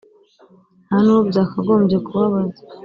nta n’uwo byakagombye kubabaza.